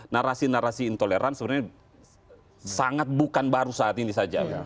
narasi narasi intoleran sebenarnya sangat bukan baru saat ini saja